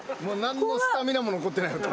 何のスタミナも残ってないよ。